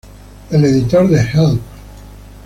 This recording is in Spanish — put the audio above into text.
El editor de "Help!